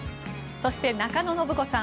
そして、中野信子さん